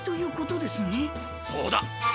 そうだ。